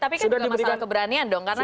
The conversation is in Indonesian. tapi kan juga masalah keberanian dong karena